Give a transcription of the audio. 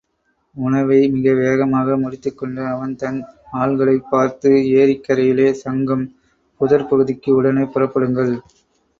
உணவை மிக வேகமாக முடித்துக்கொண்டு அவன் தன் ஆள்களைப் பார்த்து, ஏரிக்கரையிலே சங்கம் புதர்ப்பகுதிக்கு உடனே புறப்படுங்கள்.